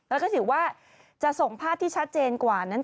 แล้วก็ถือว่าจะส่งภาพที่ชัดเจนกว่านั้น